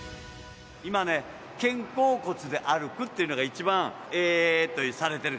今ね、肩甲骨で歩くっていうのが一番ええとされている。